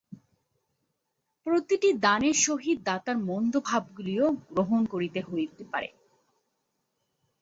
প্রতিটি দানের সহিত দাতার মন্দ ভাবগুলিও গ্রহণ করিতে হইতে পারে।